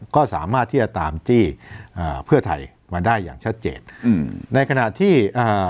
ก็สามารถที่จะตามจี้อ่าเพื่อไทยมาได้อย่างชัดเจนอืมในขณะที่อ่า